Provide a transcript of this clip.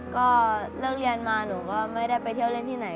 ก็เลิกเรียนมาหนูก็ไม่ได้ไปเที่ยวเล่นที่ไหน